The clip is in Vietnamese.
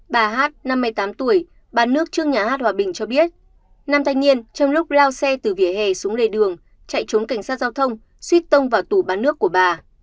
bà hát năm mươi tám tuổi bán nước trước nhà hát hòa bình cho biết nam thanh niên trong lúc lao xe từ vỉa hè xuống lề đường chạy trốn cảnh sát giao thông suy tông vào tủ bán nước của bà